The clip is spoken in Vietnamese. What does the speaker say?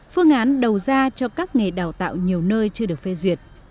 phương án đầu ra cho các nghề đào tạo nhiều nơi chưa được phê duyệt